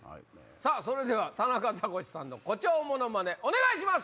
それでは田中ザコシさんの誇張モノマネお願いします！